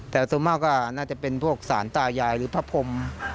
แต่ส่วนมากก็น่าจะเป็นพวกสารตายายหรือพระพรม